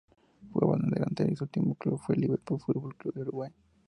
Jugaba de delantero y su último club fue Liverpool Fútbol Club de Uruguay.